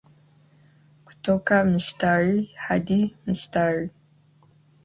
kutoka mstari hadi mstari.